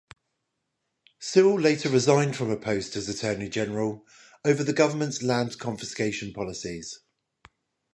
Sewell later resigned from a post as Attorney-General over the government's land confiscation policies.